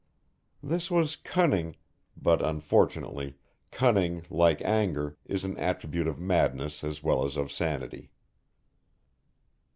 This was cunning, but, unfortunately, cunning like anger, is an attribute of madness as well as of sanity.